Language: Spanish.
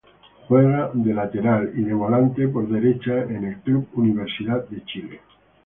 Juega de lateral y de volante por derecha en el club Universidad de Chile.